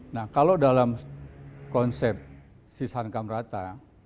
nah kalau dalam konsep sisankam rata